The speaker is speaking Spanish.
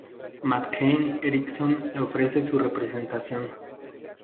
McCann Erickson le ofrece su representación.